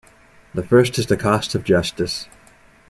The first is the cost of justice.